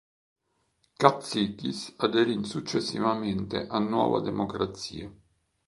Katsikis aderì successivamente a Nuova Democrazia.